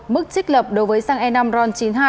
mức trích lập đối với xăng e năm ron chín mươi hai